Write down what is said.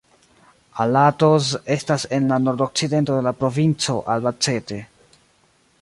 Alatoz estas en la nordokcidento de la provinco Albacete.